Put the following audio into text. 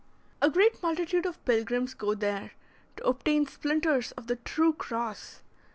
A great multitude of pilgrims go there to obtain splinters of the true cross.